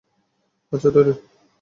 আচ্ছা, তৈরি?